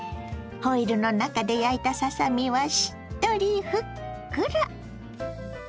ホイルの中で焼いたささ身はしっとりふっくら。